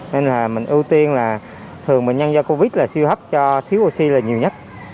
nên là mình ưu tiên là thường bệnh nhân do covid là siêu hấp cho thiếu oxy là nhiều nhất